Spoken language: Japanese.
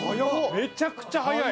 めちゃくちゃ速い。